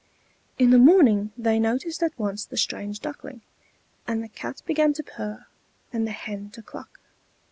In the morning they noticed at once the strange Duckling, and the Cat began to purr and the Hen to cluck.